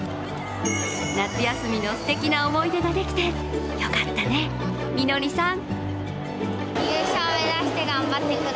夏休みのすてきな思い出ができてよかったね、実紀さん。